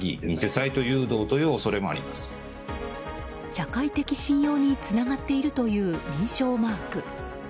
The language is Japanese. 社会的信用につながっているという認証マーク。